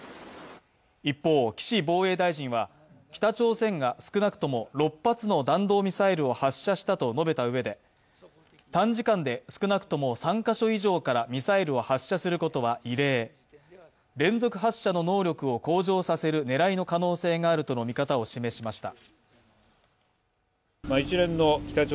一方、岸防衛大臣は、北朝鮮が少なくとも６発の弾道ミサイルを発射したと述べたうえで、短時間で少なくとも３カ所以上からミサイルを発射することは異例、連続発射の能力を向上させる狙いがあるとの見方を示しました。